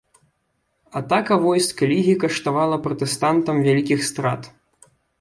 Атака войск лігі каштавала пратэстантам вялікіх страт.